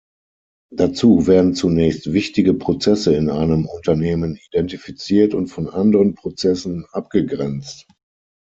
Dazu werden zunächst wichtige Prozesse in einem Unternehmen identifiziert und von anderen Prozessen abgegrenzt.